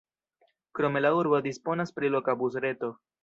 Krome la urbo disponas pri loka busreto.